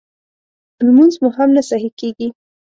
لمونځ مو هم نه صحیح کېږي